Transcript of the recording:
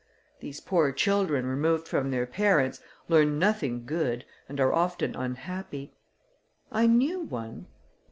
These poor children, removed from their parents, learn nothing good, and are often unhappy. I knew one...."